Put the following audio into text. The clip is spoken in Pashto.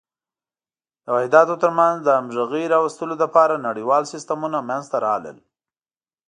د واحداتو تر منځ د همغږۍ راوستلو لپاره نړیوال سیسټمونه منځته راغلل.